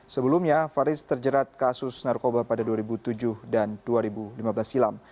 sebelumnya faris terjerat kasus narkoba pada dua ribu tujuh dan dua ribu lima belas silam